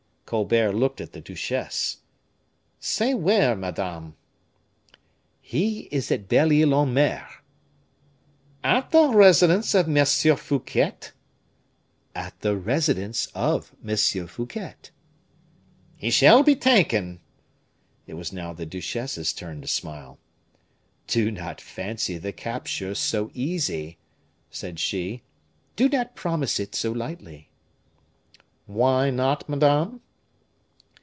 Colbert looked at the duchesse. "Say where, madame." "He is at Belle Ile en Mer." "At the residence of M. Fouquet?" "At the residence of M. Fouquet." "He shall be taken." It was now the duchesse's turn to smile. "Do not fancy the capture so easy," said she; "do not promise it so lightly." "Why not, madame?"